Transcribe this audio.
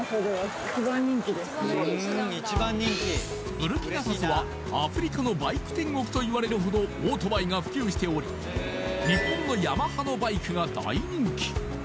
ブルキナファソはアフリカのバイク天国といわれるほどオートバイが普及しており日本のＹＡＭＡＨＡのバイクが大人気